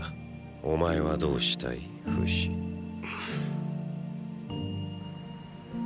お前はどうしたいフシーー。